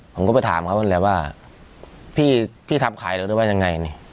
ผมก็ไปถามเขาเลยว่าพี่ทำขายหรือไม่หรือว่ายังไง